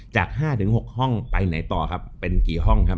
จาก๕๖ห้องไปไหนต่อครับเป็นกี่ห้องครับ